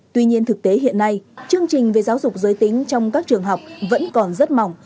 tuy nhiên thực tế hiện nay chương trình về giáo dục giới tính trong các trường học vẫn còn rất mỏng